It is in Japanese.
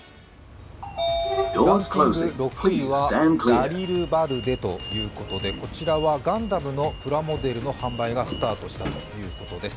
ランキング６位はダリルバルデということでガンダムのプラモデルの販売がスタートしたということです。